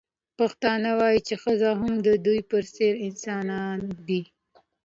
پښتانه وايي چې ښځې هم د دوی په څېر انسانان دي.